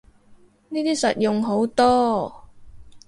呢啲實用好多